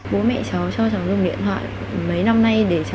bố mẹ cháu cho cháu dùng điện thoại mấy năm nay để cháu có thể